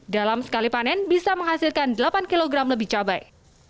dalam sekali panen bisa menghasilkan delapan kg lebih cabai